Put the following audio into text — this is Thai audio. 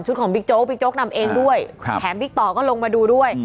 ของบิ๊กโจ๊บิ๊กโจ๊กนำเองด้วยแถมบิ๊กต่อก็ลงมาดูด้วย